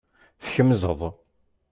Tkemzeḍ.